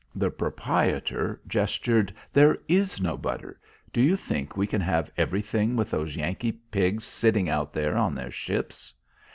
The proprietor gestured. "There is no butter. Do you think we can have everything with those Yankee pigs sitting out there on their ships?"